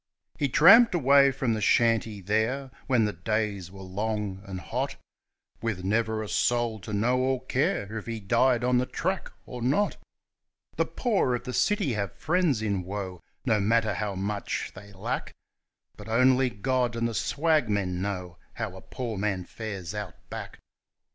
He tramped away from the shanty there, when the days were long and hot, With never a soul to know or care if he died on the track or not. The poor of the city have friends in woe, no matter how much they lack, But only God and the swagmen know how a poor man fares Out Back.